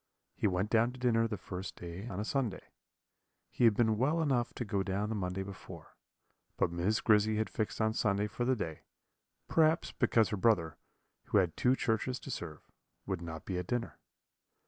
He went down to dinner the first day on a Sunday. He had been well enough to go down the Monday before, but Miss Grizzy had fixed on Sunday for the day; perhaps because her brother, who had two churches to serve, would not be at dinner.